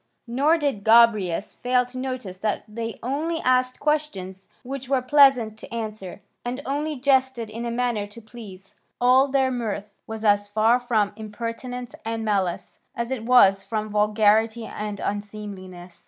Nor did Gobryas fail to notice that they only asked questions which were pleasant to answer, and only jested in a manner to please; all their mirth was as far from impertinence and malice as it was from vulgarity and unseemliness.